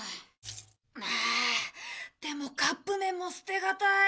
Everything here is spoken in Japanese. ああでもカップ麺も捨てがたい。